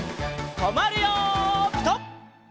とまるよピタ！